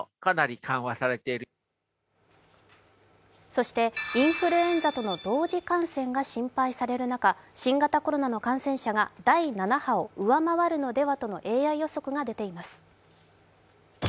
そしてインフルエンザとの同時感染が心配される中、新型コロナの感染者が第７波を上回るのではとのＡＩ予測が出ています。